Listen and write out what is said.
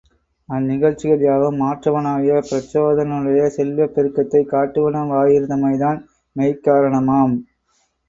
அந் நிகழ்ச்சிகள் யாவும் மாற்றவனாகிய பிரச்சோதனனுடைய செல்வப் பெருக்கத்தைக் காட்டுவன வாயிருந்தமைதான் மெய்க்காரணமாம்.